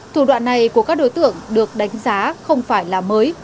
thủ đoạn này của các đối tượng được đánh giá không phải là mới